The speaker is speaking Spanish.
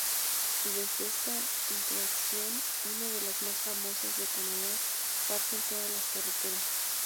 Desde esta intersección, una de las más famosas de Canadá, parten todas las carreteras.